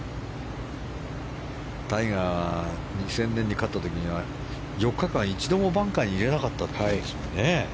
タイガーは２０００年に勝った時には４日間、一度もバンカーに入れなかったんですもんね。